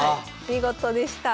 見事でした。